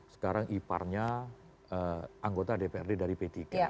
sekarang iparnya anggota dprd dari p tiga